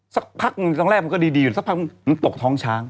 สักพักตั้งแรกมันก็ดีสักพักมันตกท้องช้าง